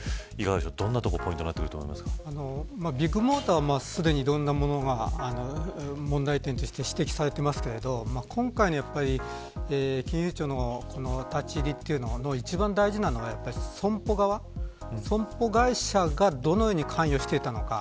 どんなところがビッグモーターはすでにいろんなものが問題点として指摘されていますが今回の金融庁の立ち入りの一番大事なのは損保側がどのように関与していたのか。